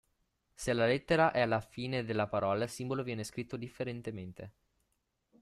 Se la lettera è alla fine della parola il simbolo viene scritto differentemente.